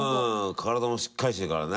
体もしっかりしてるからね。